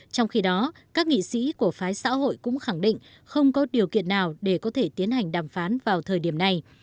trong khi đó các nghị sĩ của phái xã hội cũng khẳng định không có điều kiện nào để có thể tiến hành đàm phán vào thời điểm này